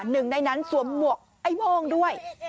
หนึ่งในนั้นสวมหมวกไอ้โม่งด้วย